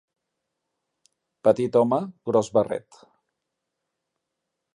Petit home, gros barret.